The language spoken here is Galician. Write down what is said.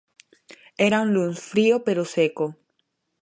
Era un luns frío pero seco.